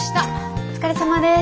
お疲れさまです。